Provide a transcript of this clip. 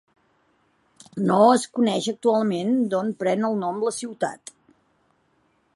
No es coneix actualment d'on pren el nom la ciutat.